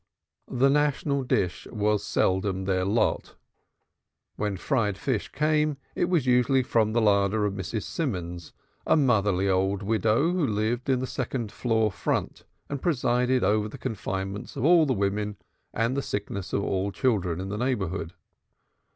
The national dish was seldom their lot; when fried fish came it was usually from the larder of Mrs. Simons, a motherly old widow, who lived in the second floor front, and presided over the confinements of all the women and the sicknesses of all the children in the neighborhood.